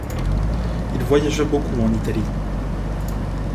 Il voyagea beaucoup en Italie.